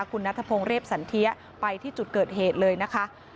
คุณนัทพงศ์เรียบสันเทียไปที่จุดเกิดเหตุเลยนะคะ